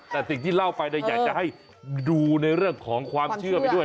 แต่สิ่งที่เล่าไปอยากจะให้ดูในเรื่องของความเชื่อไปด้วย